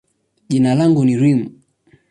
jina langu ni Reem.